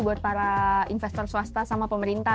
buat para investor swasta sama pemerintah